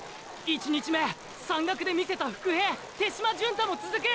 １日目山岳で魅せた伏兵手嶋純太も続く！！